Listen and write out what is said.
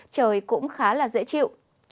trời cũng khá là dễ chịu